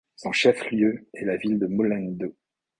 Son chef-lieu est la ville de Mollendo.